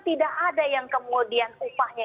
tidak ada yang kemudian upahnya